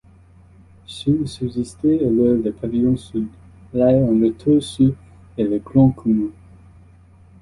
Seuls subsistaient alors le pavillon sud, l'aile en retour sud et le grand commun.